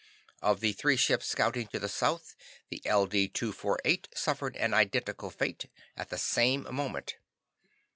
"Of the three ships scouting to the south, the LD 248 suffered an identical fate, at the same moment.